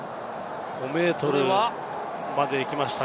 ５ｍまで行きましたね。